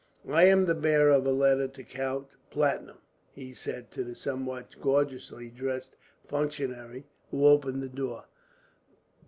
"I am the bearer of a letter to Count Platurn," he said, to the somewhat gorgeously dressed functionary who opened the door.